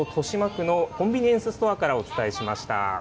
ここまで東京・豊島区のコンビニエンスストアからお伝えしました。